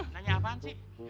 nanya apaan sih